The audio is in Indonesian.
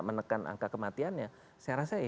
menekan angka kematiannya saya rasa